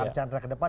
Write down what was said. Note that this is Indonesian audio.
arcaandra ke depan